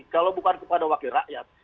kalau bukan kepada wakil rakyat